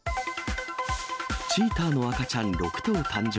チーターの赤ちゃん６頭誕生。